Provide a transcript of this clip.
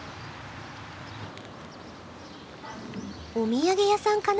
お土産屋さんかな？